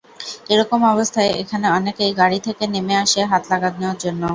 এরকম অবস্থায় এখানে অনেকেই গাড়ি থেকে নেমে আসে হাত লাগানোর জন্য।